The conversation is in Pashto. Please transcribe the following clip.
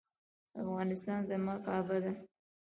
افغانستان زما کعبه ده؟